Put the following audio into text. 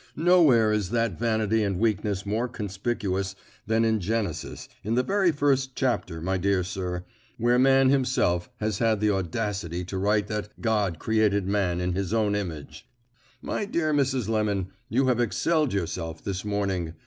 Nowhere is that vanity and weakness more conspicuous than in Genesis, in the very first chapter, my dear sir, where man himself has had the audacity to write that 'God created man in His own image.' My dear Mrs. Lemon, you have excelled yourself this morning.